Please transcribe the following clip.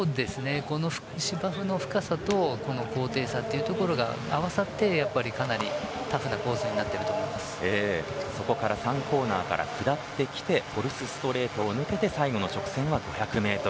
芝生の深さとこの高低差というところが合わさってかなりタフなコースにそこから３コーナーから下ってきてフォルスストレートを抜けて最後の直線は５００ｍ。